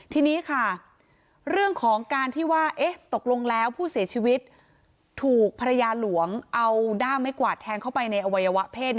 ทีนี้ค่ะเรื่องของการที่ว่าตกลงแล้วผู้เสียชีวิตถูกภรรยาหลวงเอาด้ามไม้กวาดแทงเข้าไปในอวัยวะเพศ